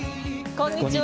こんにちは。